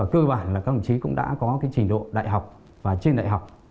cơ bản là các đồng chí cũng đã có trình độ đại học và trên đại học